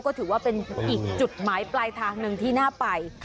ก็ถือว่าเป็นอีกจุดหมายปลายทางหนึ่งที่น่าไป